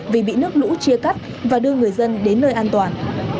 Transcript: vì bị nước lũ chia cắt và đưa người dân đến nơi an toàn